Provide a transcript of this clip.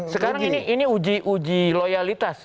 sekarang ini uji loyalitas